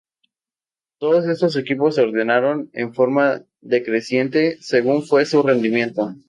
Todos estos equipos se ordenaron en forma decreciente según fue su rendimiento.